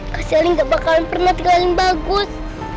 kak selia gak bakalan pernah terlihat bagus